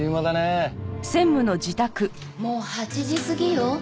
もう８時過ぎよ。